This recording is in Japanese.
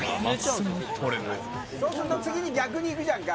そうすると次に逆に行くじゃんか。